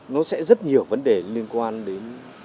nó sẽ rất nhiều vấn đề liên quan đến